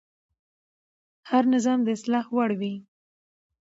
هر نظام د اصلاح وړ وي